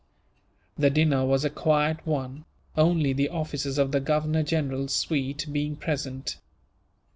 The dinner was a quiet one, only the officers of the Governor General's suite being present.